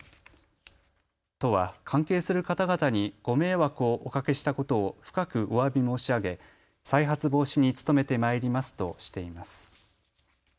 都は関係する方々にご迷惑をおかけしたことを深くおわび申し上げ再発防止に努めてまいりますとしています。